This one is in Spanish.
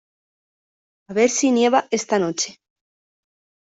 A ver si nieva esta noche.